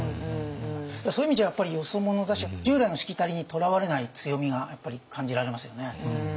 そういう意味じゃやっぱりよそ者だし従来のしきたりにとらわれない強みがやっぱり感じられますよね。